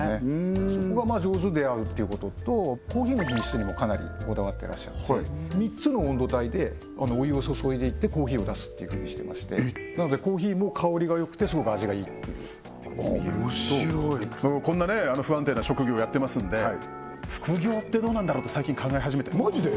そこが上手であるっていうこととコーヒーの品種にもかなりこだわってらっしゃって３つの温度帯でお湯を注いでいってコーヒーを出すっていうふうにしてましてなのでコーヒーも香りがよくてすごく味がいいっていう面白いこんなね不安定な職業やってますんで副業ってどうなんだろうって最近考え始めてマジで！？